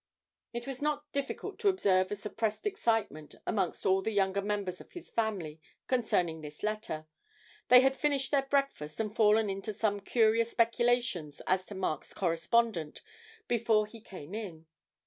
It was not difficult to observe a suppressed excitement amongst all the younger members of his family concerning this letter; they had finished their breakfast and fallen into some curious speculations as to Mark's correspondent before he came in.